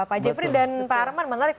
pak jeffrey dan pak arman menarik